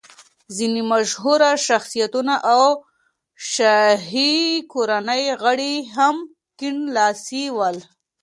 ځینې مشهوره شخصیتونه او شاهي کورنۍ غړي هم کیڼ لاسي ول.